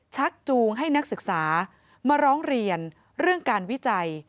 ชักจูงให้นักศึกษามาร้องเรียนเรื่องการวิจัย